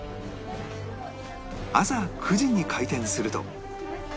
朝９時に開店すると